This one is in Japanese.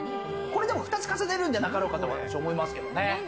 ２つ重ねるんじゃなかろうかと私は思いますけどね。